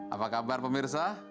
apa kabar pemirsa